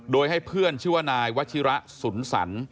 โดยให้เพื่อนชื่อว่านายวัชิระสุนสรร